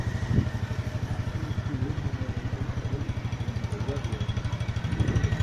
After preliminary education from the Rev.